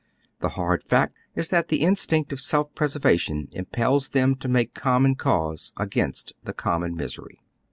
The hard fact is that the instinct of self preservation impels them to make common cause against the common misery.